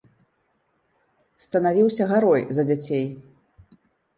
Станавіўся гарой за дзяцей.